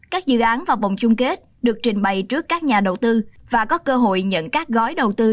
các dự án vào vòng chung kết được trình bày trước các nhà đầu tư và có cơ hội nhận các gói đầu tư